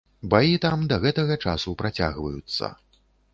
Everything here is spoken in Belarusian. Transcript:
Баі там да гэтага часу працягваюцца.